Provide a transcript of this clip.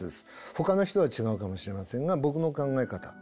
ほかの人は違うかもしれませんが僕の考え方。